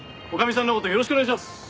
女将さんの事よろしくお願いします！